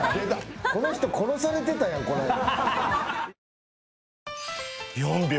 この人殺されてたやんこの間。